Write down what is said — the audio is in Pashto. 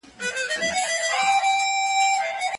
کله چي مهاراجا پېښور ته راشي استقبال به یې وشي.